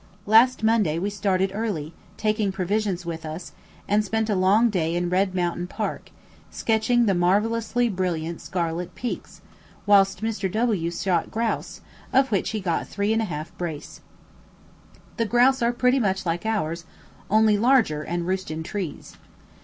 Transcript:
Last Monday we started early, taking provisions with us, and spent a long day in Red Mountain Park, sketching the marvellously brilliant scarlet peaks, whilst Mr. W shot grouse, of which he got three and a half brace. The grouse are much like ours, only larger, and roost in trees.